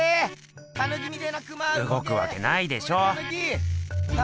うごくわけないでしょ。